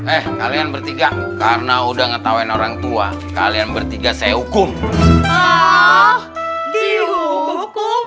eh kalian bertiga karena udah ngetawain orangtua kalian bertiga saya hukum dihukum